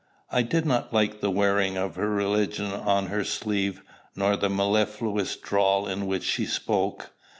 I did not like the wearing of her religion on her sleeve, nor the mellifluous drawl in which she spoke.